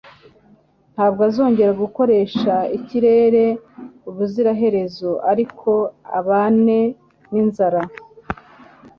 Ntabwo uzongera gukoresha ikirere ubuziraherezo ariko ubane ninzara